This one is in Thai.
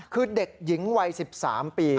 คือเด็กหญิงวัย๑๓ปี